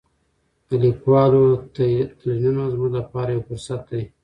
د لیکوالو تلینونه زموږ لپاره یو فرصت دی.